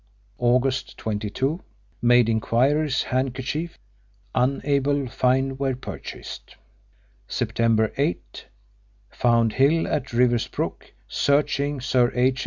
August 22. Made inquiries handkerchief. Unable find where purchased. September 8. Found Hill at Riversbrook searching Sir H.